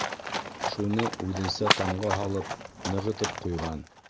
Шуны үҙенсә тамға һалып нығытып ҡуйған.